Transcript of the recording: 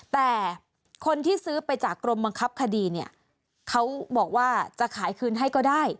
แต่คนที่ซื้อไปจากกรมบังคับคดีเนี่ยเขาบอกว่าจะขายคืนให้ก็ได้